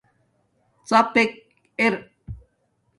ڎیپک ار